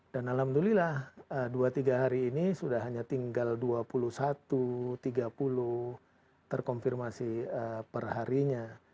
dan alhamdulillah dua tiga hari ini sudah hanya tinggal dua puluh satu tiga puluh terkonfirmasi perharinya